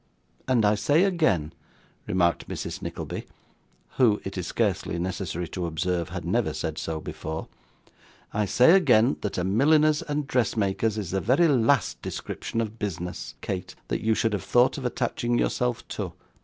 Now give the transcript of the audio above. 'And I say again,' remarked Mrs. Nickleby (who, it is scarcely necessary to observe, had never said so before), 'I say again, that a milliner's and dressmaker's is the very last description of business, Kate, that you should have thought of attaching yourself to.